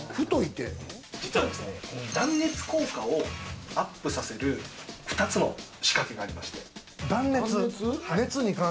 実はですね、断熱効果をアップさせる２つの仕掛けがありまして。